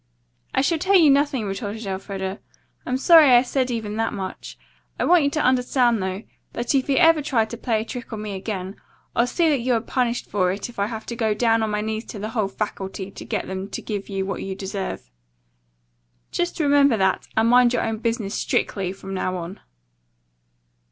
"I shall tell you nothing," retorted Elfreda. "I'm sorry I said even that much. I want you to understand, though, that if you ever try to play a trick on me again, I'll see that you are punished for it if I have to go down on my knees to the whole faculty to get them to give you what you deserve. Just remember that, and mind your own business, strictly, from now on."